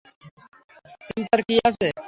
চিন্তার কী আছে?